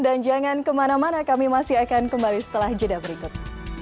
dan jangan kemana mana kami masih akan kembali setelah jeda berikut